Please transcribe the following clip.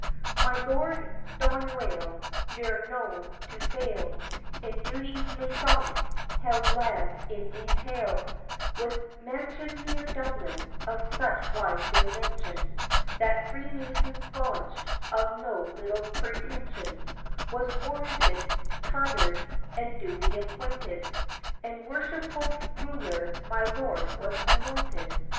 My Lord Doneraile, Ne'er known to fail In duties masonic, held land in entail With a mansion near Dublin, of such wide dimension, That a Freemason's Lodge of no little pretension Was warranted, charter'd, and duly appointed, And worshipful ruler my lord was anointed.